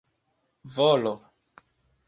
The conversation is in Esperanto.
volo